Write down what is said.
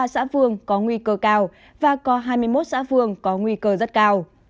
hai mươi ba xã phường có nguy cơ cao và có hai mươi một xã phường có nguy cơ rất cao